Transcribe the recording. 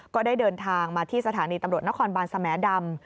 ก็ได้เดินทางมาที่สถานีตำรวจนครบานสแหมดำ